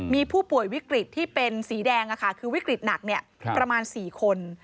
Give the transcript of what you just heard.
มีผู้ป่วยวิกฤตที่เป็นสีแดงคือวิกฤตหนักประมาณ๔คน